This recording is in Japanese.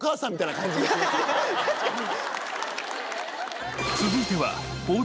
確かに。